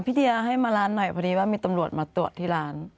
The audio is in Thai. เดียให้มาร้านหน่อยพอดีว่ามีตำรวจมาตรวจที่ร้าน